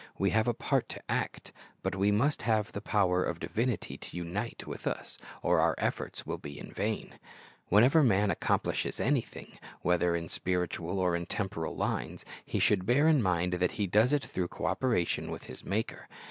We have a part to act, but we must have the power of divinity to unite with us, or our efforts will be in vain. Whenever man accomplishes anything, whether in spir itual or in temporal lines, he should bear in mind that he does it through co operation with his Maker.